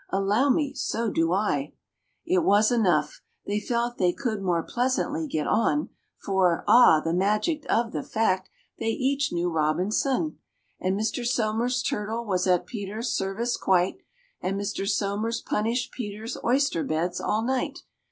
"Allow me, so do I." It was enough: they felt they could more pleasantly get on, For (ah, the magic of the fact!) they each knew ROBINSON! And MR. SOMERS' turtle was at PETER'S service quite, And MR. SOMERS punished PETER'S oyster beds all night.